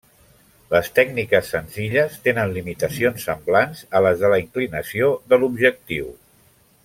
Les tècniques senzilles tenen limitacions semblants a les de la inclinació de l'objectiu.